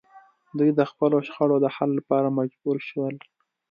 دوی د خپلو شخړو د حل لپاره مجبور شول